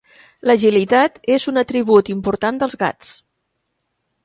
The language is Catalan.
L'agilitat és un atribut important dels gats.